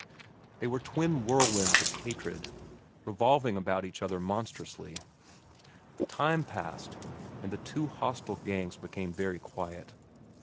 They were twin whirlwinds of hatred, revolving about each other monstrously. The time passed, and the two hostile gangs became very quiet.